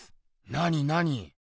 なになに？